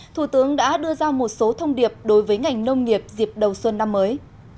thủ tướng đã đưa ra một số thông điệp đối với ngành nông nghiệp dịp đầu xuân năm mới